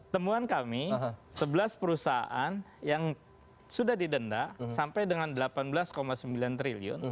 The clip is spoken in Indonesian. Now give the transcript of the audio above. temuan kami sebelas perusahaan yang sudah didenda sampai dengan rp delapan belas sembilan triliun